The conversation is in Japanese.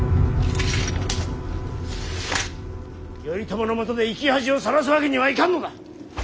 頼朝のもとで生き恥をさらすわけにはいかんのだ。